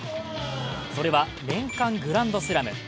それは年間グランドスラム。